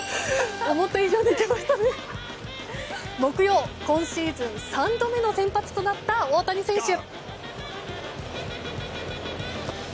木曜、今シーズン３度目の先発となった大谷選手。